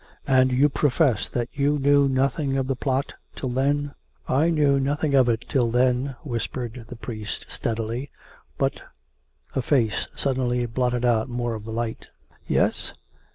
" And you profess that you knew nothing of the plot till then?" " I knew nothing of it till then," whispered the priest steadily. " But " (A face suddenly blotted out more of the light.) "Yes?"